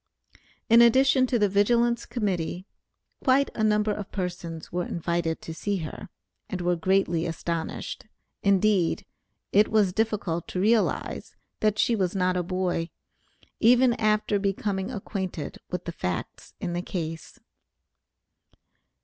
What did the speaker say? In addition to the Vigilance Committee, quite a number of persons were invited to see her, and were greatly astonished. Indeed it was difficult to realize, that she was not a boy, even after becoming acquainted with the facts in the case.